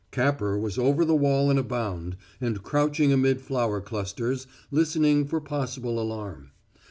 Capper was over the wall in a bound, and crouching amid flower clusters, listening for possible alarm.